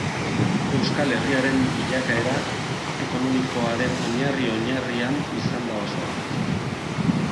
Euskal Herriaren bilakaera ekonomikoaren oinarri-oinarrian izan da basoa.